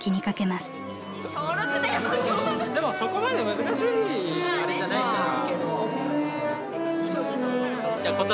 でもそこまで難しいあれじゃないから。